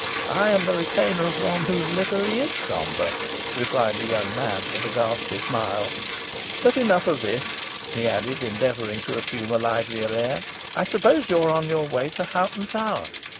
"I am the retainer of one whose livery is sombre," replied the young man, with a ghastly smile. "But enough of this," he added, endeavouring to assume a livelier air; "I suppose you are on the way to Hoghton Tower.